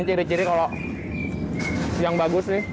ini ciri ciri kalau yang bagus nih